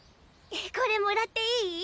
これもらっていい？